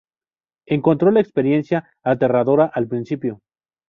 Encontró la experiencia "aterradora" al principio.